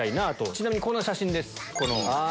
ちなみにこんな写真です。